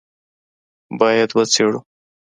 باید وڅېړو